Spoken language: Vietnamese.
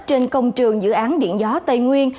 trên công trường dự án điện gió tây nguyên